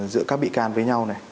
giữa các bị can với nhau